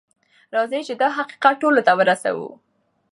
راځئ چې دا حقیقت ټولو ته ورسوو.